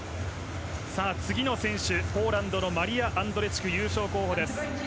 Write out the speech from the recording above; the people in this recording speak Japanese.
次の選手、ポーランドのマリア・アンドレチク優勝候補です。